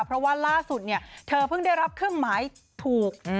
เพราะว่าล่าสุดเนี่ยเธอเพิ่งได้รับเครื่องหมายถูก